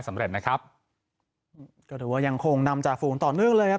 สำเร็จนะครับอ่ะโอยังคงนำจะฝูงต่อเนิกเลยครับ